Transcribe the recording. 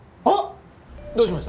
どうしました？